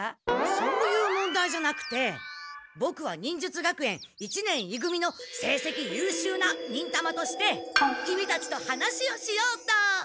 そういう問題じゃなくてボクは忍術学園一年い組の成績ゆうしゅうな忍たまとしてキミたちと話をしようと。